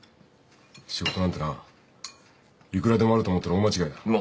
仕事なんてないくらでもあると思ったら大間違いだ。